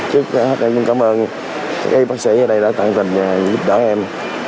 trước hết em cũng cảm ơn các y bác sĩ ở đây đã tận tình giúp đỡ em